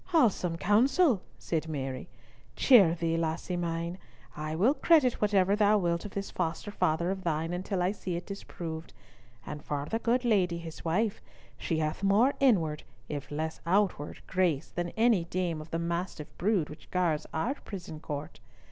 "Wholesome counsel!" said Mary. "Cheer thee, lassie mine, I will credit whatever thou wilt of this foster father of thine until I see it disproved; and for the good lady his wife, she hath more inward, if less outward, grace than any dame of the mastiff brood which guards our prison court!